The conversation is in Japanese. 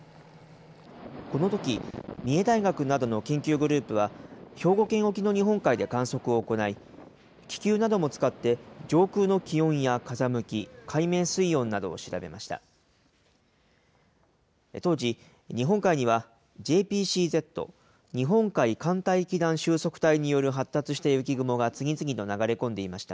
このとき、三重大学などの研究グループは、兵庫県沖の日本海で観測を行い、気球なども使って上空の気温や風向き、海面水温などを調べました。